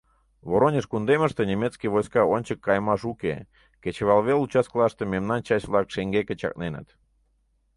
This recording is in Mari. Воронеж кундемыште немецкий войска ончык кайымаш уке, кечывалвел участкылаште мемнан часть-влак шеҥгеке чакненыт.